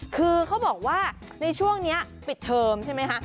คือเขาบอกว่าในช่วงนี้ปิดเทอมใช่ไหมคะ